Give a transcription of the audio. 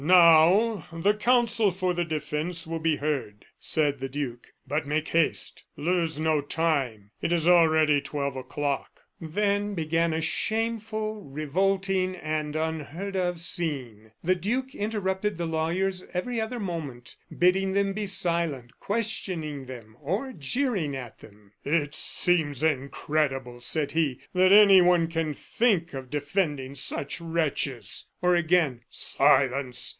"Now the counsel for the defence will be heard," said the duke; "but make haste; lose no time! It is already twelve o'clock." Then began a shameful, revolting, and unheard of scene. The duke interrupted the lawyers every other moment, bidding them be silent, questioning them, or jeering at them. "It seems incredible," said he, "that anyone can think of defending such wretches!" Or again: "Silence!